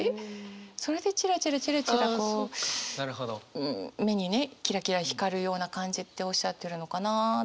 それで「ちらちらちらちら」こうん目にねキラキラ光るような感じっておっしゃってるのかなって。